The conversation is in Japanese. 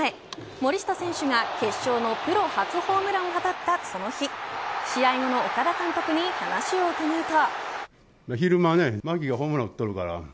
森下選手が決勝のプロ初ホームランを放ったその日試合後の岡田監督に話を伺うと。